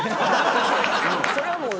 それはもう。